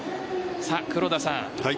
黒田さん